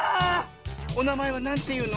おなまえはなんていうの？